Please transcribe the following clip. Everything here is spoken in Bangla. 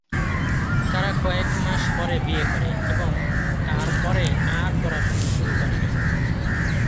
তারা কয়েক মাস পরে বিয়ে করে, এবং তার পরে আর পড়াশোনা শুরু করেনি।